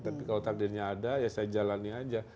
tapi kalau takdirnya ada ya saya jalani aja